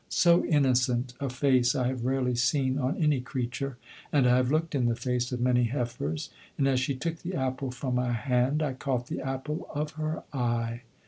So innocent a face I have rarely seen on any creature, and I have looked in the face of many heifers; and as she took the apple from my hand, I caught the apple of her eye.